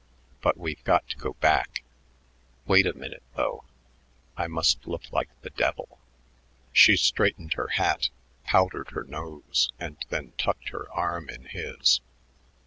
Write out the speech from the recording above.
"But we've got to go back. Wait a minute, though. I must look like the devil." She straightened her hat, powdered her nose, and then tucked her arm in his.